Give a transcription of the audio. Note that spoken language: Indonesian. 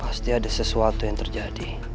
pasti ada sesuatu yang terjadi